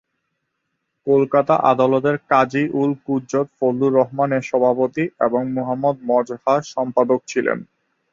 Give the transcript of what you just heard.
কলকাতা আদালতের কাজী-উল-কুজ্জত ফজলুর রহমান এর সভাপতি এবং মুহম্মদ মজহার সম্পাদক ছিলেন।